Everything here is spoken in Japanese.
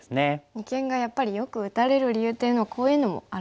二間がやっぱりよく打たれる理由っていうのはこういうのもあるんですね。